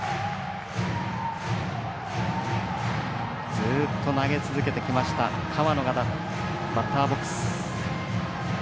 ずっと投げ続けてきました河野がバッターボックス。